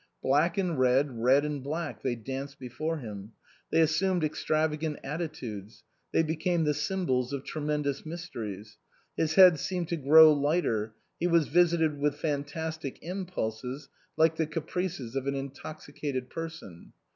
Black and red, red and black, they danced before him ; they assumed extrava gant attitudes ; they became the symbols of tremendous mysteries. His head seemed to grow lighter ; he was visited with fantastic im pulses like the caprices of an intoxicated person.